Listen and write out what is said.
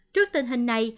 trước tình hình này